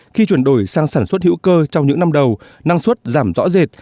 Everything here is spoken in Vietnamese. khi chuyển đổi sang sản xuất hữu cơ trong những năm đầu năng suất giảm rõ rệt